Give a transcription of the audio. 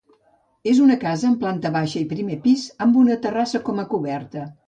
És una casa amb planta baixa i primer pis amb una terrassa com a coberta.